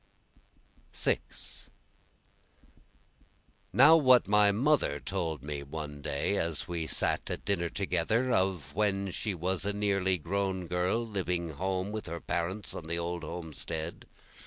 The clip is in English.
6 Now what my mother told me one day as we sat at dinner together, Of when she was a nearly grown girl living home with her parents on the old homestead.